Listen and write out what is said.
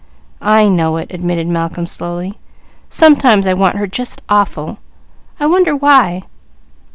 "I know it," admitted Malcolm slowly. "Sometimes I want her just awful. I wonder why?"